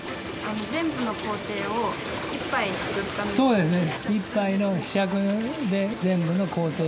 そうですね。